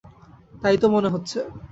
তাই তো মনে হচ্ছে।